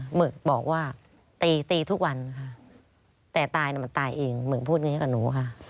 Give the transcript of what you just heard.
หมึกบอกว่าตีทุกวันแต่ตายมันตายเองเหมือนพูดอย่างนี้กับหนูค่ะ